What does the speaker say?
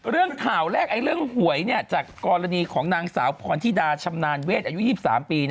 เรื่องข่าวแรกเรื่องหวยจากกรณีของนางสาวพรธิดาชำนาญเวทอายุ๒๓ปี